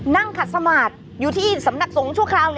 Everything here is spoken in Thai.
นั่งขัดสมาธิอยู่ที่สำนักสงฆ์ชั่วคราว